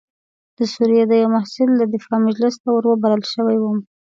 د سوریې د یوه محصل د دفاع مجلس ته وربلل شوی وم.